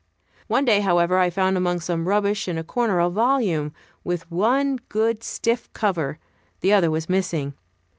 One day, however, I found among some rubbish in a corner a volume, with one good stiff cover; the other was missing.